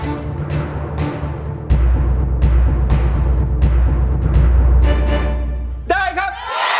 แล้วน้องใบบัวร้องได้หรือว่าร้องผิดครับ